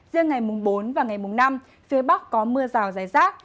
riêng ngày mùng bốn và ngày mùng năm phía bắc có mưa rào rải rác